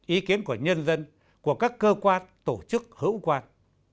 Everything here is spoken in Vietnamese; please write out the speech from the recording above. ý kiến của nhân dân của các cơ quan tổ chức hữu quan